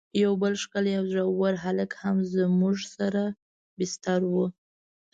یو بل ښکلی او زړه ور هلک هم زموږ سره بستر و.